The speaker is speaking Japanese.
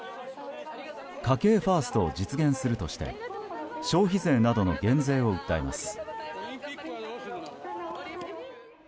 家計ファーストを実現するとして消費税などの減税を訴えます。